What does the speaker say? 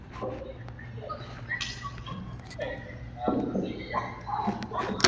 umri wa kustaafu kutoka miaka sitini mpaka sitini na miwili